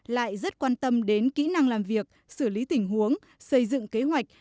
lại rất quan tâm đến kỹ năng làm việc xử lý tình huống xây dựng kế hoạch